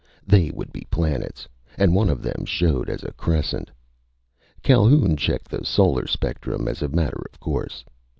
They would be planets, and one of them showed as a crescent. Calhoun checked the solar spectrum as a matter of course.